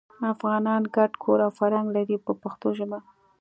افغانان ګډ کور او فرهنګ لري په پښتو ژبه.